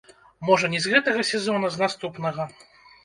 Можа не з гэтага сезона, з наступнага.